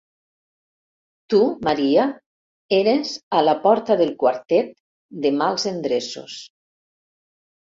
Tu, Maria, eres a la porta del quartet de mals endreços.